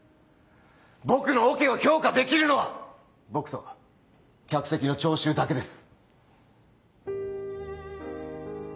僕のオケを評価できるのは僕と客席の聴衆だけです。